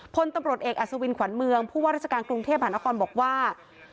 พลตำรวจเอกอัศวินขวัญเมืองผู้ว่าราชการกรุงเทพหานครบอกว่า